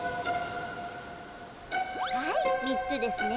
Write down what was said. はい３つですね。